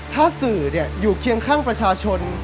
ถ้าสื่ออยู่เคียงข้างประชาชน